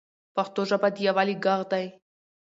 پښتو ژبه د یووالي ږغ دی.